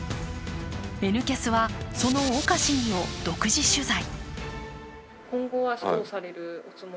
「Ｎキャス」は、その岡市議を独自取材。